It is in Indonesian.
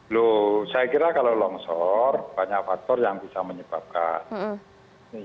loh saya kira kalau longsor banyak faktor yang bisa menyebabkan